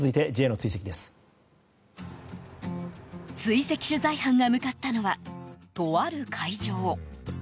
追跡取材班が向かったのはとある会場。